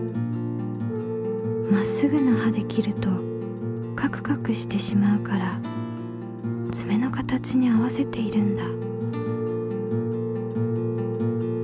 まっすぐな刃で切るとカクカクしてしまうからつめのかたちに合わせているんだ。